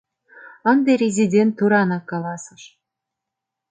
— ынде резидент туранак каласыш.